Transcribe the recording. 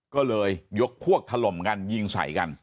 ก็เลยยกพวกถล่มกันยิงใส่กัน